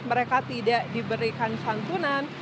mereka tidak diberikan santunan